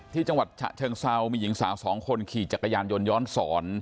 จังหวัดฉะเชิงเซามีหญิงสาวสองคนขี่จักรยานยนต์ย้อนสอน